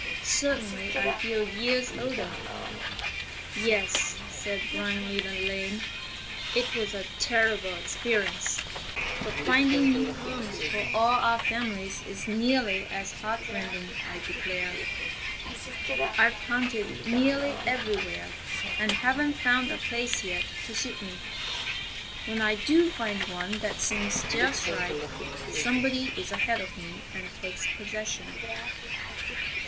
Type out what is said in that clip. Certainly I feel years older." "Yes," added Brindley the Lame, "it was a terrible experience, but finding new homes for all our families is nearly as heart rending. I declare, I've hunted nearly everywhere, and haven't found a place yet to suit me. When I do find one that seems just right somebody is ahead of me and takes possession."